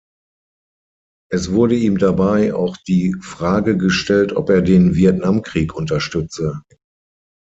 Es wurde ihm dabei auch die Frage gestellt, ob er den Vietnamkrieg unterstütze.